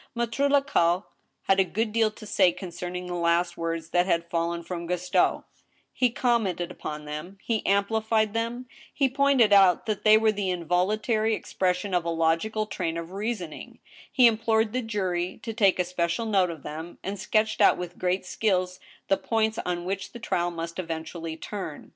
Maitre Lacaille had a good deal to say concerning the last words that had fallen from Gaston ; he commented upon them, he amplified them, he pointed out that they were the involuntary expression of a logical train of reasoning; he implored the jury to take especial note of them, and sketched out with great skill the points on which the trial must eventually turn.